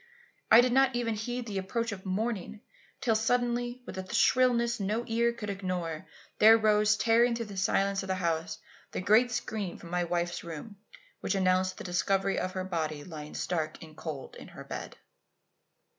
I did not even heed the approach of morning, till suddenly, with a shrillness no ear could ignore, there rose, tearing through the silence of the house, that great scream from my wife's room which announced the discovery of her body lying stark and cold in her bed.